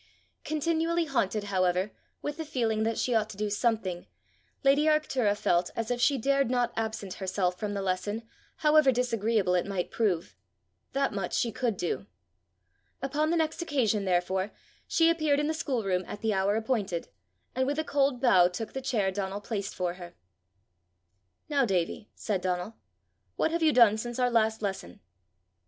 Continually haunted, however, with the feeling that she ought to do something, lady Arctura felt as if she dared not absent herself from the lesson, however disagreeable it might prove: that much she could do! Upon the next occasion, therefore, she appeared in the schoolroom at the hour appointed, and with a cold bow took the chair Donal placed for her. "Now, Davie," said Donal, "what have you done since our last lesson?"